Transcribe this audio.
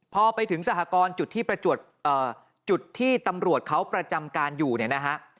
พอไปถึงสหกรณ์จุดที่จุดที่ตำรวจเขาประจำการอยู่เนี่ยนะฮะ